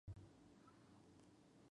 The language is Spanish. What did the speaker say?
Es propietaria de Silvestre Estudios Aloha.